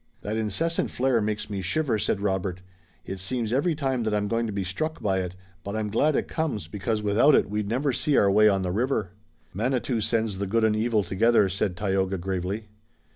"That incessant flare makes me shiver," said Robert. "It seems every time that I'm going to be struck by it, but I'm glad it comes, because without it we'd never see our way on the river." "Manitou sends the good and evil together," said Tayoga gravely.